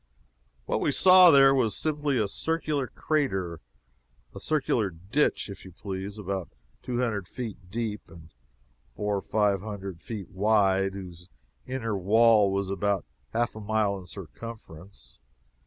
What we saw there was simply a circular crater a circular ditch, if you please about two hundred feet deep, and four or five hundred feet wide, whose inner wall was about half a mile in circumference.